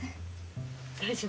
大丈夫？